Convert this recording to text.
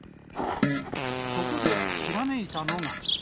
そこでひらめいたのが。